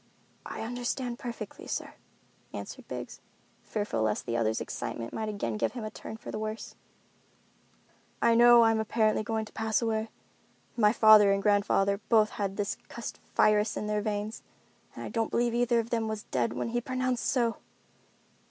"I understand perfectly, sir," answered Biggs, fearful lest the other's excitement might again give him a turn for the worse. "I know I'm apparently going to pass away. My father and grandfather both had this cussed virus in their veins, and I don't believe either of them was dead when he was pronounced so!"